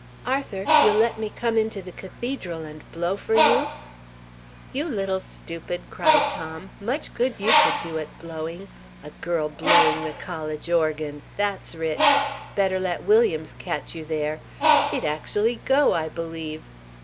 "Arthur, you'll let me come into the cathedral and blow for you?" "You little stupid!" cried Tom. "Much good you could do at blowing! A girl blowing the college organ! That's rich! Better let Williams catch you there! She'd actually go, I believe!"